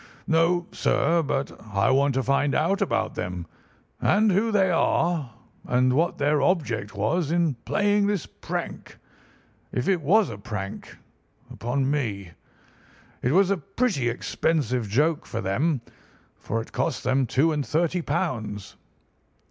"No, sir. But I want to find out about them, and who they are, and what their object was in playing this prank—if it was a prank—upon me. It was a pretty expensive joke for them, for it cost them two and thirty pounds."